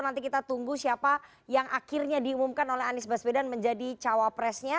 nanti kita tunggu siapa yang akhirnya diumumkan oleh anies baswedan menjadi cawapresnya